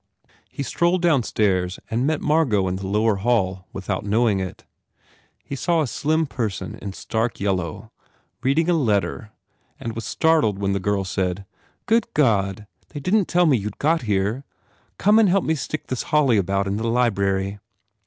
He strolled downstairs and met Margot in the lower hall without knowing it. He saw a slim person in stark yellow read ing a letter and was startled when the girl said, "Good God, they didn t tell me you d got here! Come and help me stick this holly about in the library."